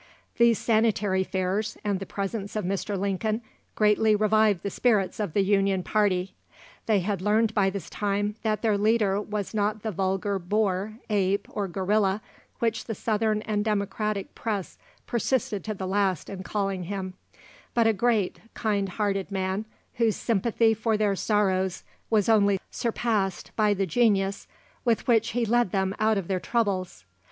These Sanitary Fairs, and the presence of Mr. Lincoln, greatly revived the spirits of the Union party. They had learned by this time that their leader was not the vulgar Boor, Ape, or Gorilla which the Southern and Democratic press persisted to the last in calling him, but a great, kind hearted man, whose sympathy for their sorrows was only surpassed by the genius with which he led them out of their troubles.